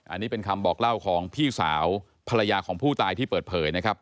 อันนี้เป็นคำบอกเล่าของพี่สาวภรรยาของผู้ตายที่เปิดเผยนะครับ